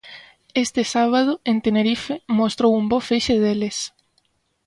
Este sábado, en Tenerife, mostrou un bo feixe deles.